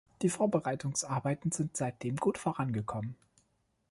Die Vorbereitungsarbeiten sind seitdem gut vorangekommen.